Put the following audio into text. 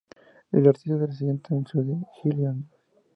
Es artista residente en la Universidad de Illinois.